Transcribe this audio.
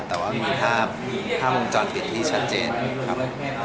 แต่ว่ามีภาพวงจรปิดที่ชัดเจนครับ